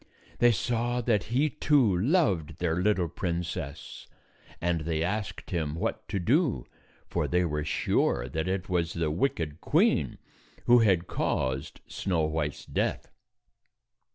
They saw that he, too, loved their little princess; and they asked him what to do, for they were sure that it was the wicked queen who had caused Snow White's death.